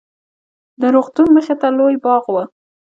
د روغتون مخې ته لوى باغ و.